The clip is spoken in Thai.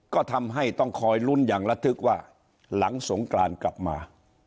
ก็ทำให้ต้องคอยลุ้นอย่างระทึกว่าหลังสงกรานกลับมา